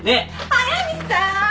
速見さん